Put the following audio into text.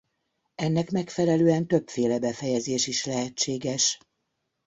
Ennek megfelelően többféle befejezés is lehetséges.